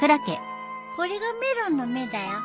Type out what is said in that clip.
これがメロンの芽だよ。